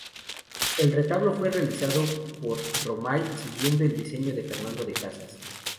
El retablo fue realizado por Romay siguiendo el diseño de Fernando de Casas.